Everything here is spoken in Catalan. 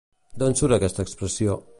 D'on surt aquesta expressió?